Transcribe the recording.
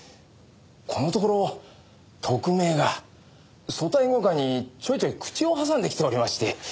このところ特命が組対五課にちょいちょい口を挟んできておりまして。